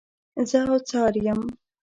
زه اوڅار یم.